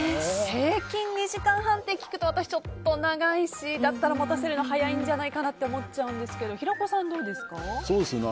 平均２時間半って聞くとちょっと長いし、だったら持たせるのは早いんじゃないかなって思っちゃうんですけど平子さん、どうですか？